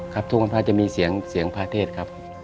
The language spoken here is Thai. ทุกวันพระจะมีเสียงพระเทศครับ